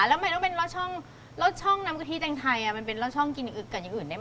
เอาไปปลูกต่อก่อนแล้วก็ค่อยแห้ง